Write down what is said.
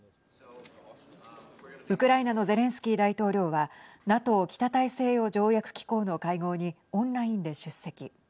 ウクライナのゼレンスキー大統領はＮＡＴＯ＝北大西洋条約機構の会合にオンラインで出席。